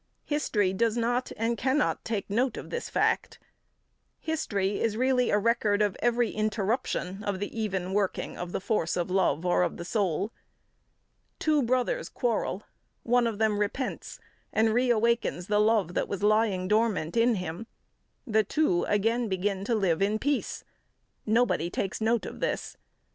History does not and cannot take note of this fact. History is really a record of every interruption of the even working of the force of love or of the soul. Two brothers quarrel: one of them repents and re awakens the love that was lying dormant in him; the two again begin to live in peace: nobody takes note of this.